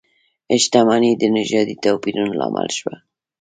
شتمنۍ د نژادي توپیرونو لامل شوه.